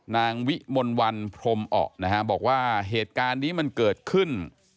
นางวิมนวรพรมอบอกว่าเหตุการณ์นี้มันเกิดขึ้น